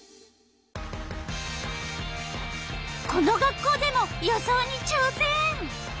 この学校でも予想にちょうせん。